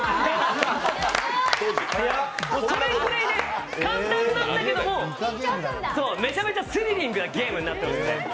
それぐらい、簡単なんだけれども、めちゃめちゃスリリングなゲームになっております。